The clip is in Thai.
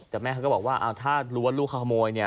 แต่แม่ก็บอกว่าถ้ารั้วลูกเขาขโมย